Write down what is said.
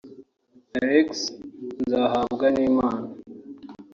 Alex Nzahabwanimana